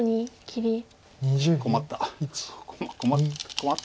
困った。